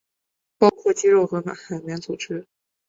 包括肌肉和海绵组织。